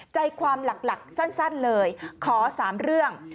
ใจความหลักสั้นเลยขอ๓เรื่อง